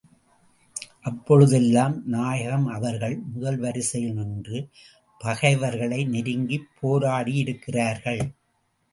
அப்பொழுதெல்லாம் நாயகம் அவர்கள் முதல் வரிசையில் நின்று, பகைவர்களை நெருங்கிப் போராடியிருக்கிறார்கள்.